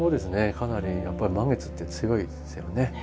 かなりやっぱり満月って強いですよね。